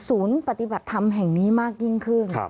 ปฏิบัติธรรมแห่งนี้มากยิ่งขึ้น